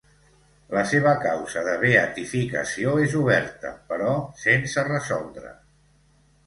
La seva causa de beatificació és oberta, però sense resoldre.